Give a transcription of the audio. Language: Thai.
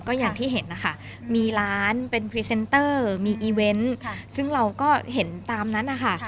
ก็อย่างที่เห็นนะคะมีร้านเป็นมีซึ่งเราก็เห็นตามนั้นอะค่ะ